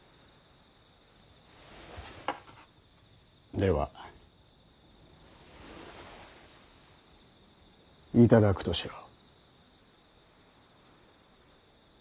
では頂くとしよう。